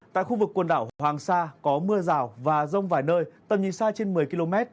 tại khu vực quần đảo hoàng sa có mưa rào và rông vài nơi tầm nhìn xa trên một mươi km